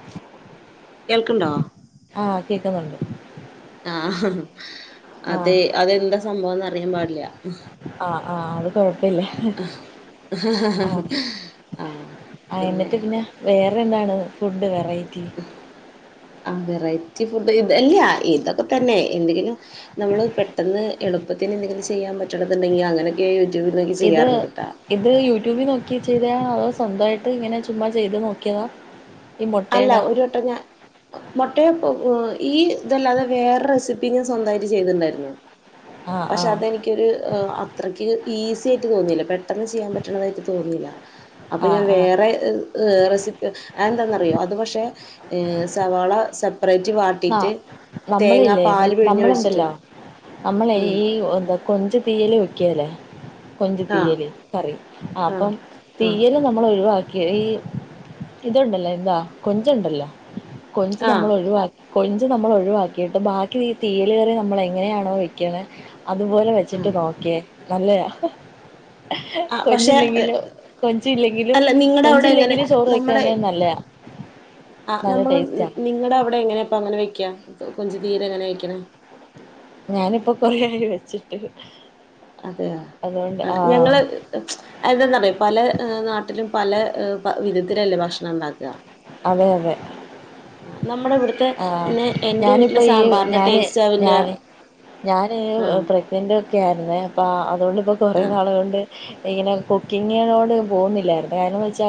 [unintelligible] കേൾക്ക്ണ്ടോ ആ കേൾക്കുന്നുണ്ട് ആഹ ഹഹ ആഹ് അതെ അതെന്താ സംഭവംന്ന് അറിയാൻ പാടില്ല ആഹ് ആ അത് കൊഴപ്പില്ലേ ആ ആഹ് പിന്നെ എന്നിട്ട് വേറെ എന്താണ് ഫുഡ് വെറൈറ്റി ആ വെറൈറ്റി ഫുഡ് ഇതല്ല ഇതൊക്കെ തന്നെ എന്തെങ്കിലും നമ്മള് പെട്ടെന്ന് എളുപ്പത്തിന് എന്തെങ്കിലും ചെയ്യാൻ പറ്റണ്ടത്ണ്ടെങ്കിൽ അങ്ങനെ യെ യൂട്യൂബിൽ നോക്കി ഇത് ചെയ്യാറുണ്ട് കേട്ടാ ഇത് യൂട്യൂബിൽ നോക്കി ചെയ്ത അതോ സ്വന്തമായിട്ട് ഇങ്ങനെ ചുമ്മാ ചെയ്ത് നോക്കിയതാണ് അല്ല ഒരു വട്ടംഞാൻ മുട്ടയ ഈ ഇതല്ലാതെ വേറെ റെസിപ്പി ഞൻ സ്വന്തയിട്ട് ചെയ്തിട്ടണ്ടായിരുന്നു ആഹ് പക്ഷെ ആഹ് അതെനിക്ക് ക്കൊരു അത്രയ്ക്ക് ഈസി ആയിട്ട് തോന്നിയില്ല പെട്ടെന്ന് ചെയ്യാൻ പറ്റണതായിട്ട് തോന്നിയില്ല അപ്പൊ ഞാൻ ആഹ് ആഹ് വേറെ റെസിപ്പി അതഎന്താന്ന അറിയ അറിയോ അത് പക്ഷെ സവാള സപ്പ് അപ്പറേറ്റ് ന്നാ വാട്ടിയിട്ട് തേങ്ങാ നമ്മളില്ലേ പാല് മറ്റ് പിഴിഞ്ഞോഴിച്ചിട്ട് നമ്മളുണ്ടല്ലോ നമ്മളെ ഈ എന്താ കൊഞ്ച് തീയൽ വെക്കേല്ലേ കൊഞ്ച് ആഹ് തീയല് കറി ആഹ് അപ്പം ആഹ് തീയല് നമ്മളൊഴിവാ ‌ക്കി ഈ ഇതുണ്ടല്ലോ എന്താ കൊഞ്ചുണ്ടല്ലോ കൊഞ്ച് ആഹ് നമ്മളൊഴിവാ കൊഞ്ച് നമ്മളൊഴിവാക്കിയട്ട് ബാക്കി ഈ തീയല് കറി നമ്മളെങ്ങനെയാണോ വെക്കണേ അതുപോലെ വെച്ചട്ട് ആഹ് നോക്കിയേ നല്ലയാ ആഹ് പക്ഷെ കൊഞ്ചില്ലെങ്കിലും കൊഞ്ചില്ലെങ്കിലും അല്ല നിങ്ങടെ അവിടെ എങ്ങനെ കൊഞ്ചില്ലെങ്കിലും ചോറ് നമ്മടെ കയ്ക്കാന് നല്ലയാ ആഹ് നല്ല നമ്മള് ടേസ്റ്റാ നിങ്ങടവിടെ എങ്ങനെയാപ്പ അങ്ങനവെക്ക കൊഞ്ച് തീയല് എങ്ങനെയാ വെക്കണേ ഞാനിപ്പൊ കൊറേയായി വെച്ചിട്ട് അതെയോ ആഹ് ഞങ്ങള് എന്താന്നറിയോ പല നാട്ടിലും പല പ വിധത്തിലല്ലേ ഭക്ഷണം ഇണ്ടാക്കാ അതെ അതെ നമ്മുടെ ഇവിടുത്തെ ആഹ് പിന്നെ എന്റെ ഞാനിപ്പോ വീട്ടിലെ ഈ സാമ്പാറിന്റെ ഞാന് ടേസ്റ്റ് ആവില്ല ഞാന് ഞാന് ആ പ്രഗ്നന്റ് ഒക്കെ ആയിരുന്നേ അപ്പൊ അതുകൊണ്ടിപ്പോ കൊറേ ആ നാള് കൊണ്ട് ഇങ്ങനെ കുക്കിങ്ങിനോട് പോന്നില്ലായിരുന്നു കാരണോന്ന് വെച്ച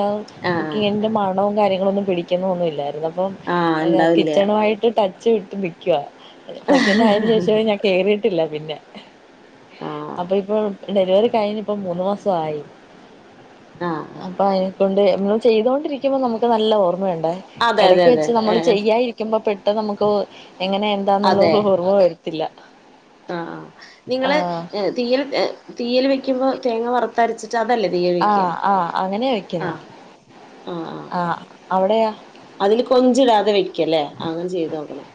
ആ കുക്കിങ്ങിൻ്റെ മണോം ങ്ങളൊന്നും പിടിക്കുന്നോന്നില്ലായിരുന്ന് അപ്പം ആ ഉണ്ടാവില്ല കിച്ചണുവായിട്ട് ടച്ച് വിട്ട് നി ക്കുവ പ്രെഗ്നന്റ് ആയേന് ശേഷവേ ഞാൻ കേറിയട്ടില്ല പിന്നെ ആ അപ്പൊ ഇപ്പോ ഡെലിവറി കഴിഞ്ഞിപ്പ മൂന്നു മാസം ആയി ആഹ് അപ്പൊ അയിനെക്കൊണ്ട് നമ്മള് ചെയ്തോണ്ടിരിക്കുമ്പോ നമുക്ക് നല്ല ഓർമ്മയുണ്ടെ അതെ അതെ എടക്ക് അതെ വെച്ച് ഏ നമ്മള് ചെയ്യാരി ക്കുമ്പോ പെട്ടന്ന് നമുക്ക് എങ്ങനെ എന്താന്നുള്ള ഓർമ്മ വരത്തില്ല ആഹ് നിങ്ങള് ആഹ് എഹ് തീയല് എഹ് തീയല് വെക്കുമ്പോ തേങ്ങ വറുത്തരച്ച് റ്റതല്ലേ തീയല് വെക്കാ ആഹ് ആഹ് അങ്ങനെയാ വെക്കുന്നെ ആഹ് ആഹ് ആഹ് അതില് കൊഞ്ചിടാതെ വെക്കല്ലേ അങ്ങനെ ചെയ്ത് നോക്കണം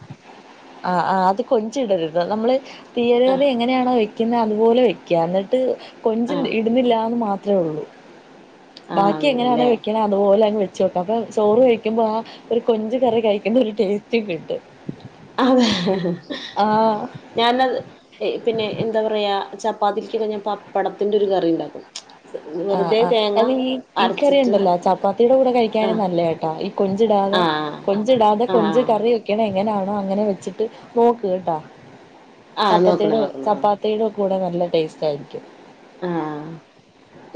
ആഹ് ആഹ് അത് കൊഞ്ച് ഇടരുത് നമ്മള് തീയല് ആ കറി എങ്ങനെയാണോ വെ ക്കുന്നേ അതുപോലെ വയ്ക്ക എന്നിട്ട് കൊഞ്ച് ആഹ് ഇടുന്നില്ലാന്ന് മാത്രേ ഒള്ളൂ ആഹ് ബാക്കി എങ്ങനെയാണോ അങ്ങനെല്ലേ വെക്കണ അ തുപോലെ അങ്ങ് വെച്ച് നോക്ക അപ്പൊ ചോറ് കഴിക്കുമ്പോ ആഹ് ഒരു കൊഞ്ച് കറി കഴിക്കുന്ന ഒരു ടേസ്റ്റും കിട്ടും അതേ ആഹ് ഞാൻന്നത് പിന്നെ എന്താ പറയാ ചപ്പാത്തിക്കൊക്കെ ഞാൻ പപ്പടത്തിന്റെ ഒരു കറി ഇണ്ടാക്കും ആഹ് ആഹ് അത് ഈ ഈ അരച്ചിട്ട് കറിയുണ്ടല്ലോ ചപ്പാത്തിയുടെ കൂടെ കഴിക്കാനും ആഹ് നല്ലയാട്ടാ ഈ കൊഞ്ചിടാതെ ആഹ് കൊഞ്ച് ഇടാതെ കൊഞ്ച് ആഹ് കറി വെ ക്കണ എങ്ങനാണോ അങ്ങനെ വെച്ചിട്ട് നോക്ക് കേട്ടാ ആഹ് നോക്കണം ചപ്പത്തീടെ നോക്കണം ആഹ് ചപ്പാ ത്തീടെ കൂടെ നല്ല ടേസ്റ്റ് ആയിരിക്കും ആഹ് അഹ്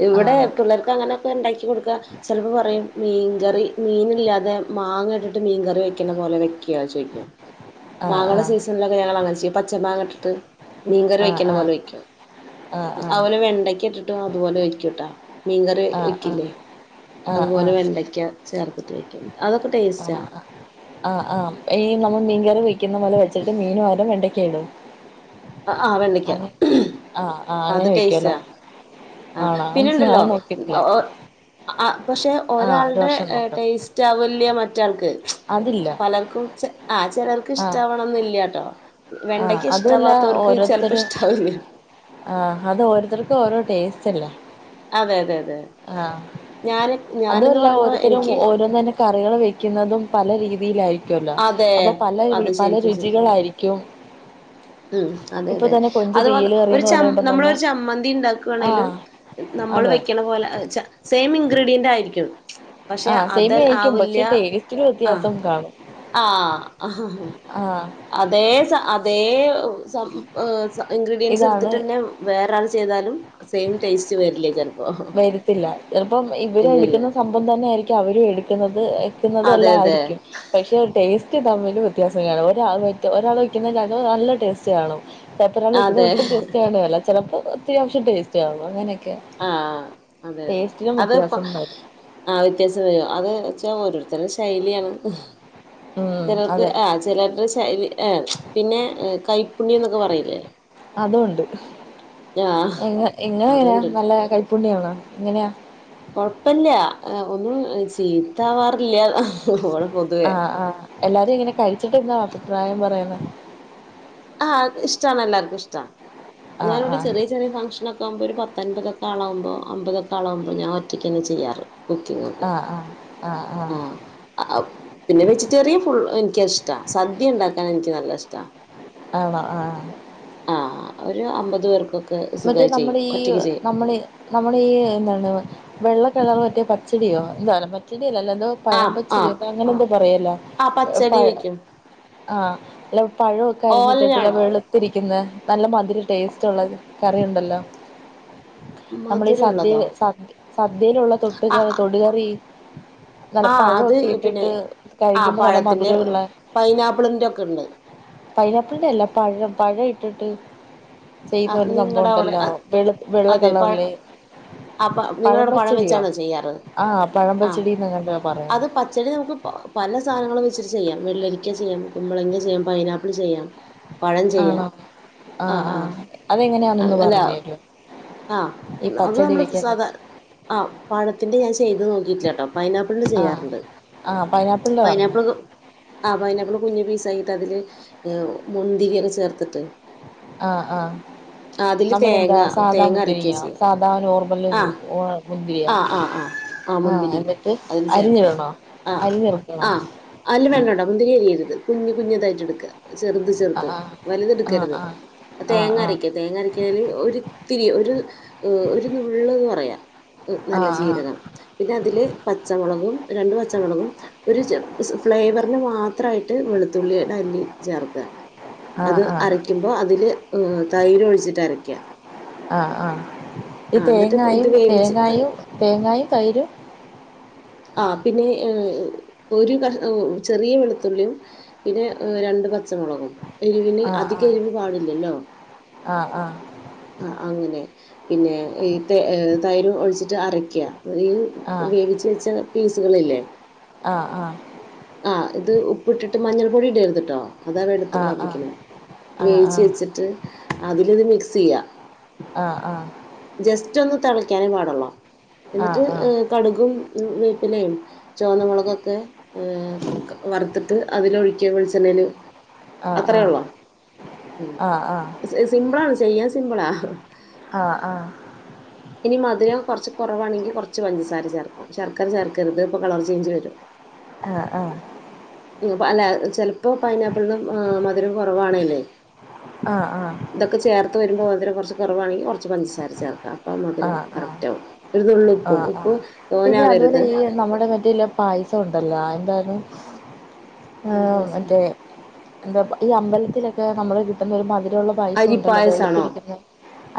ഇവിടെ ആഹ് പിള്ളേർക്കങ്ങനൊക്കെ ഇണ്ടാക്കി ക്കി കൊടുക്ക ചിലപ്പോ പറയും മീൻകറി മീനില്ലാതെ മാങ്ങ ഇട്ടിട്ട് മീൻകറി വയ്ക്കണ പോലെ വയ് ക്ക ശരിക്കും ആഹ് മാങ്ങേട ആഹ് സീസണിലൊക്കെ ഞങ്ങളങ്ങനെ ചെയ്യും പച്ച മാങ്ങ ഇട്ടിട്ട് മീൻ കറി വയ്ക്കണ പോലെ ആഹ് വെക്കും ആഹ് അതുപോലെ വെണ്ടക്ക ഇട്ടിട്ടും അതുപോലെ വയ്ക്കൂട്ടാ മീൻകറി ആഹ് ആഹ് വെയ്ക്കില്ലേ ആഹ് ആഹ് ആഹ് ആഹ് അതുപോലെ വെണ്ടയ്ക്ക ചേർത്തിട്ട് വെക്കും അതൊക്കെ ടേസ്റ്റാ ആഹ് ആഹ് ആഹ് ആഹ് ഈ നമ്മള് മീൻ കറി വെക്കുന്ന പോലെ വെച്ചിട്ട് മീൻ പകരം വെണ്ടയ്ക്ക ഇടും ആഹ് വെണ്ടക്ക അങ്ങ ആഹ് ആഹ് അങ്ങനെ വയ്ക്കുവല്ലേ ആഹ് പിന്നൊണ്ടല്ലോ നോക്കിട്ടില്ല ഓ ആഹ് പക്ഷെ ആഹ് ഒരു ഒരാൾടെ പ്രാവശ്യം നോക്കണം ടേസ്റ്റ് ആവുല്ലയ മറ്റെ ആൾ ക്ക് അതില്ല പലർക്കും ആഹ് ചെലർക്ക് ആഹ് ഇഷ്ട്ടാവണം എന്നില്ല്യാട്ടോ ആഹ് വെണ്ടയ്ക്ക് അതുവല്ല ഇഷ്ട്ടാവത്തോർക്ക് ചെലപ്പോ ഓരോരുത്തര് ഇഷ്ട്ടാവില്ല ആഹ് അത് ഓരോത്തർക്കും ഓരോ ടേസ്റ്റ് അല്ലേ അതെ അതെ അതെ ആഹ് ഞാന് ഞാനെന്ന് അതുവല്ല പറയുമ്പോ ഓരോത്തരും എനിക്ക് ഓരോന്നന്നെ കറികള് വെക്ക്യുന്നതും പല രീതിയിലായിരിക്കുവല്ലോ അതെ അപ്പം പല രീ അതെ പല ശരിക്കും ശരിക്കും രുചികളായിരിക്ക്യും ഉം അതെ അതെ അത്പോലെ ഒരു ചം പറയുമ്പോ തന്നെ നമ്മളൊരു ചമ്മന്തി ഇണ്ടാക്കുവാണേലും ആഹ് നമ്മള് അതെ വെക്ക്യണ പോലെ ആഹ് ച സെയിം ഇൻഗ്രീഡിയന്റായിരിക്ക്യും പഷേ ആഹ് സെയിം അതൽ ആയിരിക്കും ആവില്ല പക്ഷെ ടേസ്റ്റില് ആഹ് വ്യത്യാസം കാണും ആഹ് ആഹ് അതേ സ അതേ സം ഏഹ് സ ഇൻഗ്രീഡിയൻസ് ഇതാണ് ഇട്ത്തിട്ടന്നെ വേറെ ഒരാള് ചെയ്താലും സെയിം ടേസ്റ്റ് വെര്ല്ല്യെ ചെലപ്പം വരത്തില്ല ചെലപ്പം ഇവര് ഇട്ക്കുന്ന സംഭവം തന്നായിരിക്ക്യും അവരും എടുക്കുന്നത് എ ട്ട്ന്നത് അതെ വെല്ലോം അതെ ആയിരിക്കും പക്ഷേ ടേസ്റ്റ് തമ്മില് വ്യത്യാസം കാണും ഒരാള് [unintelligible] ഒരാള് വെക്ക്യുന്ന [unintelligible] നല്ല ടേസ്റ്റ് കാണും. മറ്റൊരാള് വെക്ക്യുന്നത് അതെ ഒട്ടും ടേസ്റ്റ് കാണേല ചെലപ്പം അത്യാവിശ്യം ടേസ്റ്റാവും അങ്ങനൊക്കെയാ ആഹ് അതെ അതെ അത് പ വരും ആഹ് വ്യത്യാസം വരും അത്ച്ചാ ഓരോരുത്തരുടെ ശൈലിയാണ് ഉം ചെലർക്ക് അതെ ആഹ് ചേലേര്ടെ ശൈലി ഏഹ് പിന്നെ കൈപ്പുണ്യംന്നൊക്കെ പറയില്ലേ അതുവുണ്ട് ആഹ് ഇങ്ങ ഇങ്ങളെ എങ്ങനെയാ അതുണ്ട് നല്ല കൈപ്പുണ്യാണോ എങ്ങനെയാ? കൊഴപ്പല്ല ഏഹ് ഒന്നും ഏഹ് ചീത്ത ആവാറില്ല [unintelligible] ആഹ് ആഹ് എല്ലാരും എങ്ങനെ കഴിച്ചിട്ട് എന്താ അഭിപ്രായം പറയുന്നെ? ആഹ് അത് ഇഷ്ടാണ് എല്ലാർക്കും ഇഷ്ടാ ഞാന് ആഹ് ഇവടെ ആഹ് ചെറിയ ചെറിയ ഫംഗ്ഷനൊക്കാവുമ്പോ ഒരു പ ത്തൻമ്പതക്കാളവുമ്പോ അമ്പതൊക്കെ ആളാവുമ്പോ ഞാൻ ഒറ്റക്കന്നെ ചെയ്യാറ് കുക്കിങ്ങും ആഹ് ആഹ് ആഹ് ആഹ് ആഹ് പിന്നെ വെജിറ്റേറിയൻ ഫുൾ എനിക്ക്യ അഹ് ഇഷ്ടാ സദ്യ ഇണ്ടാക്കാനാ എനിക്ക്യ് നല്ല ഇഷ്ടാ ആണോ ആഹ് ആഹ് ഒരു അമ്പത് പേർക്കൊ ന്ന്ട്ട് നമ്മളെ ഈയ് നമ്മള് നമ്മളെ ഈ എന്താണ് വെള്ളക്കളറ്ല് മറ്റെ പച്ചടിയോ എന്തായാലും പച്ചടിയല്ല അല്ല എന്തോ പഴം ആഹ് ആഹ് പച്ചടിയോ ഇപ്പ അങ്ങനെന്തോ പറയെല്ലോ ആ ഏഹ് പച്ചടി പഴ വെക്കും ആഹ് ല്ലോം പഴൊക്കെ അരിഞ്ഞ് ഇട്ട്ട്ടില്ലെ ഓലനാണോ വെള് ത്തിരിക്ക്യിന്നെ നല്ല മധിരി ടേസ്റ്റ്ള്ളത് കറിണ്ടല്ലോ? നമ്മളെ ഈ മധുരമുള്ളതോ സദ്യേല് സദ്യ സദ്യയിലുള്ള ആ തൊട്ടുക തൊടുകറി നല്ല ആ അത് പഴൊക്കെ പിന്നെ ഇട്ടിട്ട് ആ കഴിക്കുമ്പം നല്ല പഴത്തിന്റെ മധുരവുള്ളെ പൈനാപ്പിളിന്റെ ഒക്കെ ഉണ്ട് പൈനാപ്പിൾന്റെ അല്ല പഴം പഴയിട്ടിട്ട് ആ [unintelligible] നിങ്ങളുടെ അവിടെ സംഭവണ്ടല്ലോ വെള് വെള്ള അതെ പഴ കളറ്ല് ആ പഴം നിങ്ങളവിടെ പച്ചടിയോ വെച്ചാണോ ചെയ്യാറ് ആഹ് പഴം ആ പച്ചടിന്നങ്ങാണ്ടാ പറയു അത് പച്ചടി നമുക്ക് പ പല സാനങ്ങളും വെച്ചിട്ട് ചെയ്യാം വെള്ളരിക്ക ചെയ്യാം കുമ്പളങ്ങ ചെയ്യാം പൈനാപ്പിള് ചെയ്യാം പഴം ചെയ്യാം ആഹ് ആഹ് അത് എങ്ങനെയാന്നൊന്ന് പറഞ്ഞേരോ? ആഹ് അത് നമ്മള് സാധാ ആഹ് പഴത്തിന്റെ ഞാൻ ചെയ്ത് നോക്കിട്ട്ല്ലാട്ടോ പൈനാപ്പിൾന്റെ ആഹ് ചെയ്യാറ്ണ്ട് ആഹ് പൈനാപ്പിൾന്റെ പറ്ഞ്ഞ ആഹ് പൈനാപ്പിള് കുഞ്ഞു പീസായിട്ട് അതില് ഏഹ് മുന്തിരിയൊക്കെ ചേർത്തിട്ട് ആഹ് ആഹ് അതില് നമ്മുടെ എന്താ തേങ്ങ സാധാ തേങ്ങ അരയ്ക്കുക മുന്തിരിങ്ങയൊ ചെയ്യുക സാധാ നോർമ്മല് ആ വൊ ഓ മുന്തിരിയാ ആഹ് ആഹ് ആഹ് ആഹ് മുന്തിരി എന്നിട്ട് അതിൽ അരിഞ്ഞ് ചേർക്കും ഇടണോ അരിഞ്ഞ് എട്ക്കണോ? അല്ല് വേണ്ടാട്ടോ മുന്തിരി എരിയരുത് കുഞ്ഞ് കുഞ്ഞതായിട്ടെട്ക്ക ചെറുത് ചെറുത് ആഹ് ആഹ് വലുതെട്ക്കരുത് ആഹ് ആഹ് തേങ്ങ അരക്ക്യ തേങ്ങ അരക്ക്യണേല് ഒരിത്തിരി ഒരു ഓഹ് ഒരു നുള്ള്ന്ന് പറയാ ഏഹ് നല്ല ആഹ് ആഹ് ജീരകം പിന്നെ അതില് പച്ചമൊളകും രണ്ട് പച്ചമൊളകും ഒര് ചം സ് ഫ്ലേവറിന് മാത്രം ആയിട്ട് വെളുത്തുള്ളിടെ അല്ലി ചേർക്കാ അത് ആഹ് ആഹ് ആഹ് അരയ്ക്കുമ്പോ അതില് ഏഹ് തൈര് ഒഴിച്ചിട്ട് അരയ്ക്ക ആഹ് ആഹ് ഈ എന്നിട്ട് തേങ്ങായും ഇത് വേവിച്ച് തേങ്ങായും തേങ്ങായും തൈരും ആഹ് പിന്നെ ഒരു കഷ്ണം ചെറിയ വെളുത്തുള്ളിയും പിന്നെ രണ്ട് പച്ചമുളകും എരിവിന് ആഹ് അധിക ആഹ് എരിവ് പാടില്ലല്ലോ ആഹ് ആഹ് അങ്ങനെ പിന്നെ ഈ ത തൈരും ഒഴിച്ചിട്ട് അരക്കുക ഈ ആഹ് വേവിച്ച് വെച്ച പീസുകളില്ലേ ആഹ് ആഹ് ആഹ് ഇത് ഉപ്പിട്ടിട്ട് മഞ്ഞൾ പൊടി ഇടരുത് കേട്ടോ അത അത് എടുത്ത് ആഹ് കളഞ്ഞെക്കണ ആഹ് ആഹ് വേവിച്ച് വെച്ചിട്ട് അതിലിത് മിക്സ് ചെയ്യുക ആഹ് ആഹ് ജസ്റ്റ് ഒന്ന് തിളക്കാനേ പാടുള്ളോ എന്നിട്ട് ആഹ് ഏഹ് കടുകും വേപ്പിലയും ചുവന്നമുളകൊക്കെ ഏഹ് വറുത്തിട്ട് അതിൽ ഒഴിക്കിയ വെളിച്ചെണ്ണേല് ആഹ് ആഹ് അത്രയേ ഉള്ളോ ആഹ് ഉം ആഹ് ആഹ് സിമ്പിളാണ് ചെയ്യാൻ സിമ്പിളാ ആഹ് ആഹ് ഇനി മധുരം കുറച്ച് കുറവാണെങ്കിൽ കുറച്ച് പഞ്ചസാര ചേർക്കാം ശർക്കര ചേർക്കരുത് ഇപ്പൊ കളർ ചേഞ്ച് വരും [unintelligible] ആഹ് അല്ല ചിലപ്പോ പൈനാപ്പിളിനും മധുരം കുറവാണല്ലേ ആഹ് ആഹ് ഇതൊക്കെ ചേർത്തു വരുമ്പോൾ മധുരം കുറച്ച് കുറവാണെങ്കിൽ കുറച്ച് പഞ്ചസാര ചേർക്കാം അപ്പ മധുരം ആഹ് ആഹ് കറക്റ്റാവും ഒരുനുള്ള് ഉപ്പും ആഹ് ഉപ്പ് ആഹ് പിന്നെ അതുപോലെ തോന്നാവരുത് ഈ നമ്മുടെ മറ്റയില്ല പായസം ഉണ്ടല്ലോ എന്താത് എന്ത് ആഹ്‌ പൈസ മറ്റേ എന്താ ഈ അമ്പലത്തിലൊക്കെ നമ്മള് കിട്ടുന്നൊരു മധുരമുള്ള പായസം ഉണ്ടല്ലോ അരിപ്പായസാണോ വെളുത്തിരിക്കുന്ന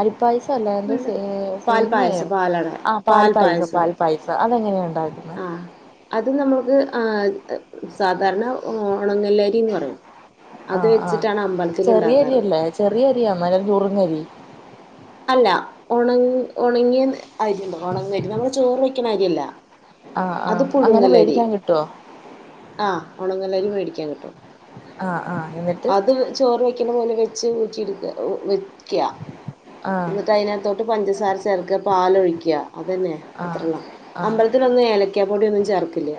അരിപ്പായസം അല്ല എന്താ വെള്ള സേ പാൽ സേമിയോ പായസം പാലാണ് ആഹ് പാൽ പായസം പാൽ പായസം അതെങ്ങനെയ ഉണ്ടാക്കുന്നത് ആഹ് അത് നമ്മൾക്ക് ആഹ് സാധാരണ ഉണങ്ങല്ലരിന്ന് പറയും അത് ആഹ് ആഹ് വെച്ചിട്ടാണ് അമ്പലത്തിൽ ചെറിയ ഉണ്ടാക്കാറ് അരിയല്ലേ ചെറിയ അരി ആണ് [unintelligible] നുറുങ്ങ അരി അല്ല ഉണ ഉണങ്ങിയ അരിണ്ട് ഉണങ്ങിയ അരി നമ്മള് ചോറ് വെക്കണ അരി അല്ല ആഹ് ആഹ് അങ്ങനെ വേടിക്കാൻ കിട്ടുവോ ആഹ് ഉണങ്ങലരി വേടിക്കാൻ കിട്ടും ആഹ് ആഹ് എന്നിട്ട് അത് ചോറ് വയ്ക്കുന്ന പോലെ വെച്ച് ഊറ്റിടുക്കുക വയ്ക്ക ആഹ് എന്നിട്ട് അതിനകത്തോട്ട് പഞ്ചസാര ചേർക്ക പാലൊഴിക്കുക അതന്നെ ആഹ് അത്രള്ള അമ്പലത്തി ആഹ് അമ്പലത്തിലൊന്നും ഏലക്കാ പൊടിയൊന്നും ചേർക്കില്ല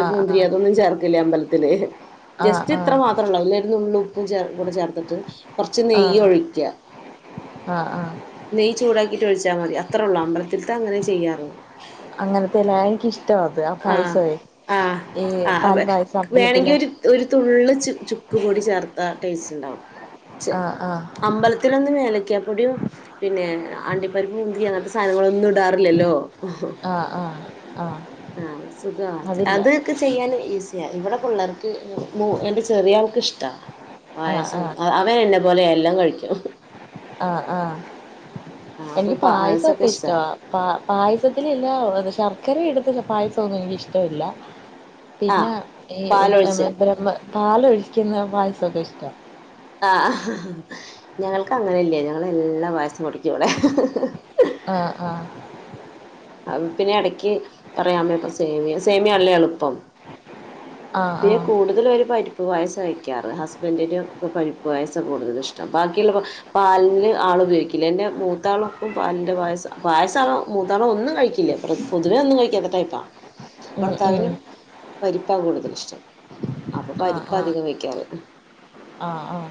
ആഹ് ആഹ് അതൊന്നും ചേർക്കില്ല അമ്പലത്തില് ആഹ് ജസ്റ്റ് ഇത്ര ആഹ് മാത്രള്ളൂ പിന്നൊരു നുള്ളൂ ഉപ്പും കൂടെ ചേർത്തിട്ട് കുറച്ച് നെയ്യ് ആഹ് ഒഴിക്ക ആഹ് ആഹ് നെയ്യ് ചൂടാക്കിട്ട് ഒഴിച്ചാ മതി അത്ര ഉള്ളൂ അമ്പലത്തിൽത്തെ അങ്ങനെ ചെയ്യാറു അങ്ങനത്തെല്ല എനിക്കിഷ്ടമാ അത് ആ ആഹ് പായസമേ ആഹ് ഈ ആഹ് അപ്പ പാൽ പായസം വേണെങ്കി അമ്പലത്തിലെ ഒരു ഒരു തുള്ള് ചു ചുക്ക് പൊടി ചേർത്ത ടേസ്റ്റ് ഉണ്ടാവും ചെ ആഹ് ആഹ് അമ്പലത്തിലൊന്നും ഏലക്കപ്പൊടി പിന്നെ അണ്ടിപ്പരിപ്പ് മുന്തിരി അങ്ങനത്തെ സാധനങ്ങളൊന്നും ഇടാറില്ലല്ലോ ആഹ് ആഹ് ആഹ് ആഹ് സുഖമാ അതില്ല അത് ക്കൊ ചെയ്യാൻ ഈസിയ ഇവിടെ പിള്ളേർക്ക് എന്റെ ചെറിയ ആൾക്ക് ഇഷ്ട ആഹ് പായസം ആഹ് അവൻ എന്നെ പോലെയ എല്ലാം കഴിക്കും ആഹ് ആഹ് ആഹ് അപ്പൊ എനിക്ക് പായസൊക്കെ ഇഷ്ടാ ഇഷ്ടവാ പ പായസത്തിൽ ഇല്ലെ ശർക്കര ഇടുന്ന പായസം ഒന്നും എനിക്ക് ഇഷ്ടമില്ല ആഹ് പിന്നെ ഈ പാലൊഴിച്ച് ബ്രഹ്മ പാല് ഒഴിക്കുന്ന പായസൊക്കെ ഇഷ്ടാ ആഹ് ഞങ്ങൾക്ക് അങ്ങനെ ഇല്ല ഞങ്ങൾ എല്ലാ പായസം കുടിക്കും ഇവിടെ ആഹ് ആഹ് അത് പിന്നെ എടക്ക് പറയാമ്മെപ്പ സേമിയ സേമിയല്ലേ എളുപ്പം ആഹ് പിന്നെ ആഹ് കൂടുതലേര് പരിപ്പ് ഇപ്പോ പായസാ വയ്ക്കാറ് ഹസ്ബൻടിനു പരിപ്പ് പായസാ കൂടുതല്ഷ്ടം ബാക്കിയുള്ള പാലില് ആള് ഉപയോഗിക്കില്ല എന്റെ മൂത്താളും പാലിന്റെ പായസം പായസാവ മൂത്താളൊന്നും കഴിക്കില്ല പൊതുവെ ഒന്നും കഴിക്കാത്ത ടൈപ്പാ ഉം ഉം ഭർത്താവിനും പരിപ്പാ കൂടുതലിഷ്ടം അപ്പൊ ആഹ് ആഹ് പരിപ്പാധികം വെക്കാറ് ആഹ് ആഹ്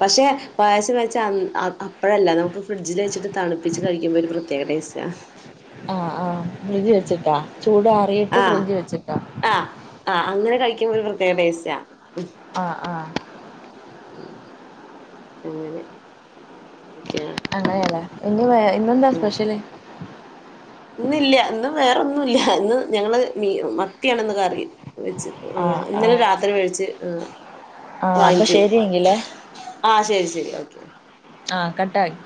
പക്ഷെ പായസം വെച്ച അ അപ്പഴല്ല നമുക്ക് ഫ്രിഡ്ജിൽ വെച്ചിട്ട് തണുപ്പിച്ച് കഴിക്കുമ്പോ ഒരു പ്രത്യേക ടേസ്റ്റാ ആഹ് ആഹ് ഫ്രിഡ്ജി വെച്ചിട്ടാ ചൂടാറിയിട്ട് ആഹ് ഫ്രിഡ്ജി വെച്ചിട്ടാ ആഹ് ആഹ് അങ്ങനെ കഴിക്കുമ്പ ഒരു പ്രത്യേക ടേസ്റ്റാ ആഹ് ആഹ് അങ്ങനെ [unintelligible] അങ്ങനെയല്ലേ ഇന്ന് വേ ഇന്നെന്താ ആഹ് സ്പെഷ്യല് ഇന്ന് ഇല്ല ഇന്നും വേറൊന്നുല്ല ഇന്ന് ഞങ്ങള് മീ മത്തിയാണ്ന്ന് കറി വെച്ചത് ആഹ് ഇന്നലെ രാത്രി വേടിച്ച് ഏഹ് ആഹ് അപ്പൊ വാങ്ങിച്ചു ശരിയെങ്കിലേ ആഹ് ശരി ശരി ഓക്കെ ആഹ് കട്ടായി